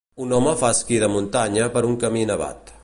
Un home fa esquí de muntanya per un camí nevat.